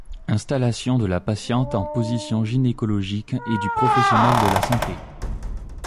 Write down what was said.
Installation de la patiente en position gynécologique et du professionnel de la santé.